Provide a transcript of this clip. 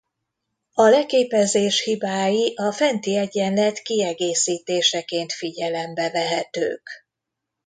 A leképezés hibái a fenti egyenlet kiegészítéseként figyelembe vehetők.